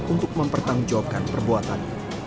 untuk mempertanggungjawabkan perbuatan